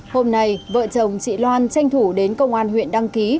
hôm nay vợ chồng chị loan tranh thủ đến công an huyện đăng ký